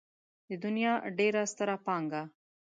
د دنيا ډېره ستره پانګه.